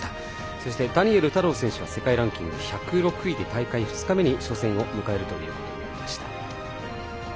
そして、ダニエル太郎選手は世界ランキング１０６位で大会２日目に初戦を迎えるということになりました。